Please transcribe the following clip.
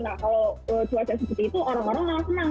nah kalau cuaca seperti itu orang orang memang senang